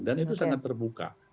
dan itu sangat terbuka